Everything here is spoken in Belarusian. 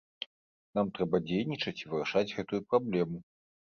Нам трэба дзейнічаць і вырашаць гэтую праблему.